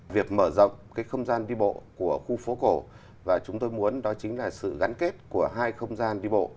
việc mở rộng cái không gian đi bộ của khu phố cổ và chúng tôi muốn đó chính là sự gắn kết của hai không gian đi bộ